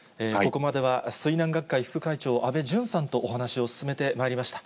ここまでは水難学会副会長、安倍淳さんとお話を進めてまいりました。